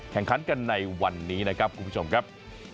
แข่งขันกันในวันนี้นะครับคุณผู้ชมครับ